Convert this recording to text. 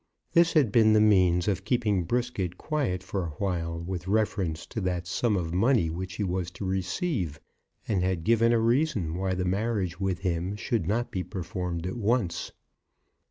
This had been the means of keeping Brisket quiet for a while with reference to that sum of money which he was to receive, and had given a reason why the marriage with him should not be performed at once.